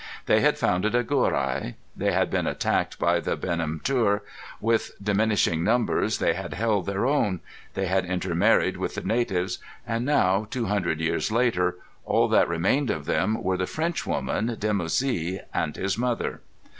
They had founded Agurai, they had been attacked by the Beni M'tir; with diminishing numbers they had held their own; they had intermarried with the natives; and now, two hundred years later, all that remained of them were the Frenchwoman, Dimoussi, and his mother.